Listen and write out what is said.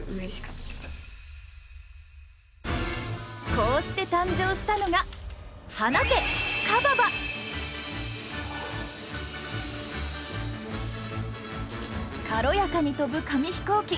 こうして誕生したのが軽やかに飛ぶ紙飛行機。